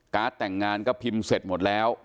แต่งงานก็พิมพ์เสร็จหมดแล้ว